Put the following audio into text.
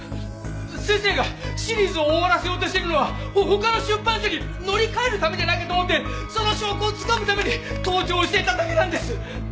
先生がシリーズを終わらせようとしてるのは他の出版社に乗り換えるためじゃないかと思ってその証拠をつかむために盗聴していただけなんです！